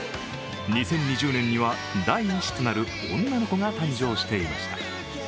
２０２０年には第１子となる女の子が誕生していました。